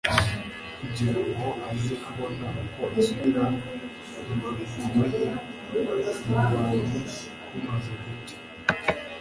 kugira ngo aze kubona uko asubira mu mirimo ye mu bantu bumaze gucya.